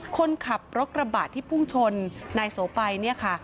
คนขับรถกระบะที่พุ่งชนนายโสไปเนี่ยค่ะ